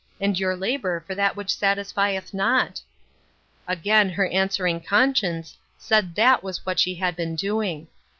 and your labor for that which satisfieth not ?" Again her answering conscience said that was what she had been doing.